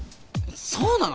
そうなの！？